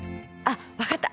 分かった！